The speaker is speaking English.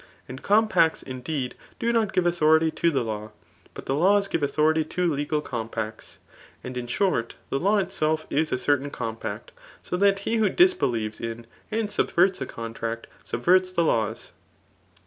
And compacts, indeed, do not give authority to the law ; but the laws give audiority to legal compacts. And in short, the law itself is a certain compact ; so that he who disbelieves in and subverts a contract, subverts the laws.